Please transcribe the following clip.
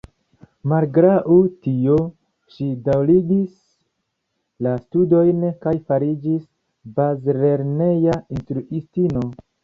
Malgraŭ tio, ŝi daŭrigis la studojn kaj fariĝis bazlerneja instruistino.